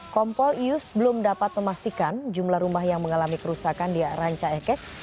kompol ius belum dapat memastikan jumlah rumah yang mengalami kerusakan di ranca ekek